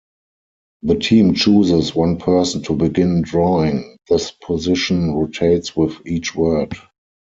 The team chooses one person to begin drawing; this position rotates with each word.